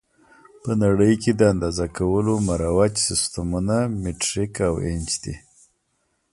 په نړۍ کې د اندازه کولو مروج سیسټمونه مټریک او ایچ دي.